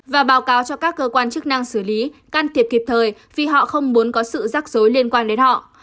và báo cáo cho các cơ quan chức năng xử lý can thiệp kịp thời vì họ không muốn có sự rắc rối liên quan đến họ